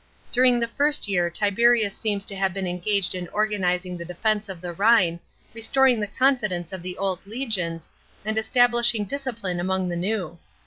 During the first year Tiberius seems to have been engaged in organising the defence of the Rhine, restoring the confidence of the old legions, and establishing discipline among the new.